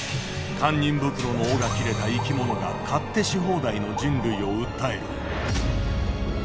堪忍袋の緒が切れた生き物が勝手し放題の人類を訴える。